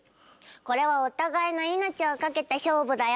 これはお互いの命を懸けた勝負だよ。